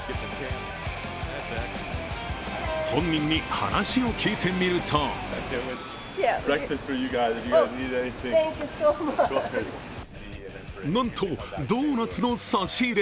本人に話を聞いてみるとなんと、ドーナツの差し入れ。